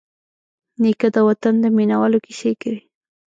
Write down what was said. نیکه د وطن د مینوالو کیسې کوي.